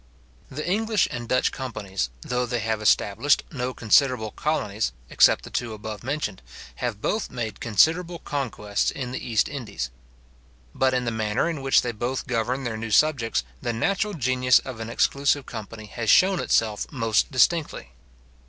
The English and Dutch companies, though they have established no considerable colonies, except the two above mentioned, have both made considerable conquests in the East Indies. But in the manner in which they both govern their new subjects, the natural genius of an exclusive company has shewn itself most distinctly.